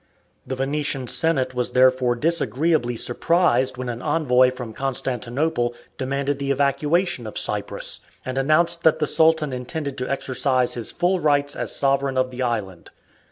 The Venetian Senate was therefore disagreeably surprised when an envoy from Constantinople demanded the evacuation of Cyprus, and announced that the Sultan intended to exercise his full rights as sovereign of the island.